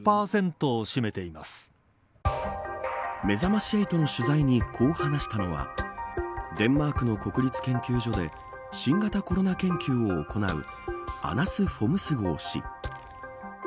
めざまし８取材にこう話したのはデンマークの国立研究所で新型コロナ研究を行うアナス・フォムスゴー氏。